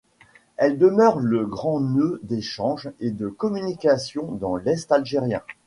Elle demeure le grand nœud d’échanges et de communications dans l’est algérien.